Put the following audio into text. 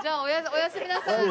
おやすみなさい。